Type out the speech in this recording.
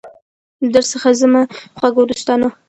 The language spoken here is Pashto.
درڅخه ځمه خوږو دوستانو